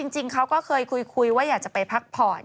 จริงเขาก็เคยคุยว่าอยากจะไปพักผ่อน